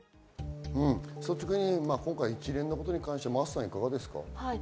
今回、一連のことに関して真麻さんいかがですか？